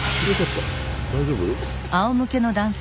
大丈夫？